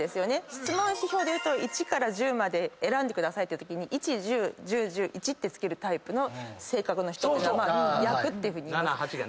質問紙法でいうと１から１０まで選んでくださいと言ったときに１・１０・１０・１０・１って付けるタイプの性格の人っていうのは焼くっていうふうにいいます。